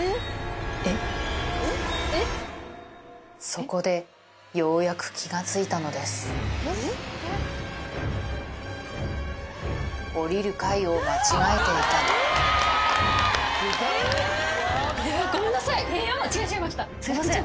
そこでようやく気が付いたのです降りる階を間違えていたのをすいません。